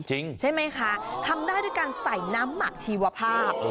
ใช่ไหมคะทำได้ด้วยการใส่น้ำหมักชีวภาพ